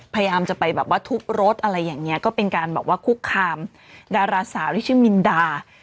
พยายามจะไปแบบว่าทุบรถอะไรอย่างนี้ก็เป็นการแบบว่าคุกคามดาราสาวที่ชื่อมินดา